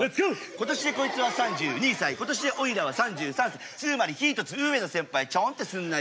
今年でこいつは３２歳今年でおいらは３３歳つまり１つ上の先輩ちょんってすんなよ